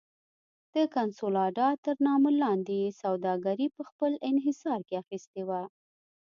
د کنسولاډا تر نامه لاندې یې سوداګري په خپل انحصار کې اخیستې وه.